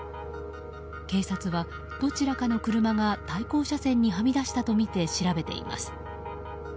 警察はどちらかの車が対向車線にはみ出したとみて調べています。